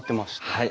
はい。